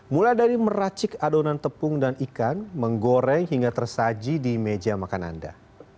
mulai dari meracik adonan tepung dan ikan menggoreng hingga tersaji di meja makan anda